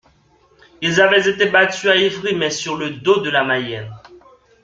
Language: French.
Il avait été battu à Ivry, mais sur le dos de Mayenne.